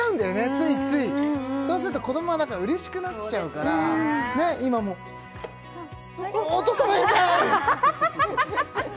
ついついそうすると子供はなんかうれしくなっちゃうからねっ今も落とさないんかい！